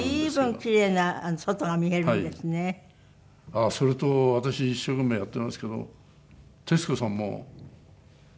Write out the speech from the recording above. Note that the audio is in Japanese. ああそれと私一生懸命やってますけど徹子さんも芝居やるんですよね？